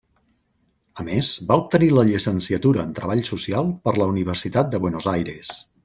A més va obtenir la llicenciatura en treball social per la Universitat de Buenos Aires.